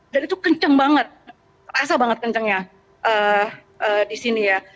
dan itu kencang banget terasa banget kencangnya di sini ya